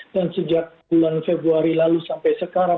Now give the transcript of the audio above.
dan sejak bulan februari lalu sampai sekarang